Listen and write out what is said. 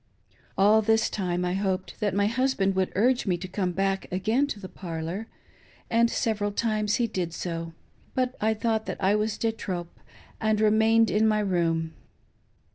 All this time I hoped that my husband would urge me to come back again to the parlor, and several times he did so, but I thought that I was de trop, and remained in my room.